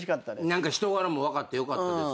何か人柄も分かってよかったです